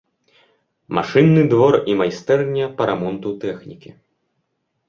Машынны двор і майстэрня па рамонту тэхнікі.